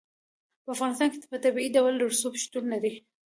په افغانستان کې په طبیعي ډول رسوب شتون لري.